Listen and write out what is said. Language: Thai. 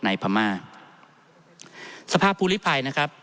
ท่านประธานครับนี่คือสิ่งที่สุดท้ายของท่านครับ